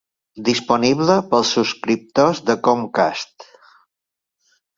Disponible pels subscriptors de Comcast.